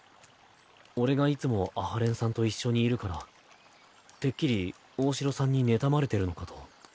俺がいつも阿波連さんと一緒にいるからてっきり大城さんに妬まれてるのかと。